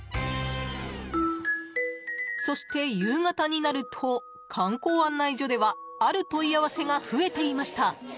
そして、夕方になると観光案内所ではある問い合わせが増えていました。